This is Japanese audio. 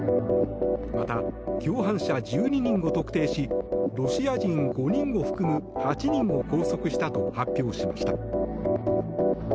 また共犯者１２人を特定しロシア人５人を含む８人を拘束したと発表しました。